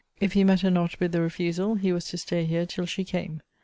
If he met her not with the refusal, he was to say here till she came.